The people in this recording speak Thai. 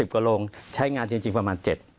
กว่าโรงใช้งานจริงประมาณ๗